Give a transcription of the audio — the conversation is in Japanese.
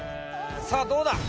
さあどうだ！